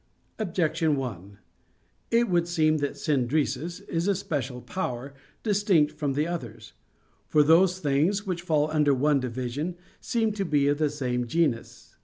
Objection 1: It would seem that "synderesis" is a special power, distinct from the others. For those things which fall under one division, seem to be of the same genus.